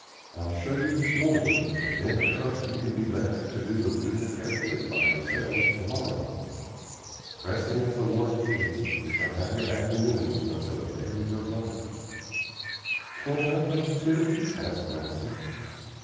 I'll show you this morning and then I trust you can be left to do the weeding carefully by yourselves to morrow. Pressing as the work is, you shall have your afternoons until the berries are ripe." "Can't I help, too?" asked Mousie.